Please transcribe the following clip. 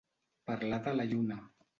Parlar de la lluna.